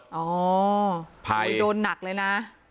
โอ้โฮโหยโดนหนักเลยนะ